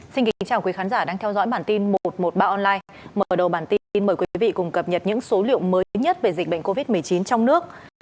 xin kính chào quý khán giả đang theo dõi bản tin một trăm một mươi ba online mở đầu bản tin mời quý vị cùng cập nhật những số liệu mới nhất về dịch bệnh covid một mươi chín trong nước